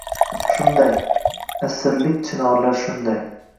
— Shunday, asrlik chinorlar, shunday.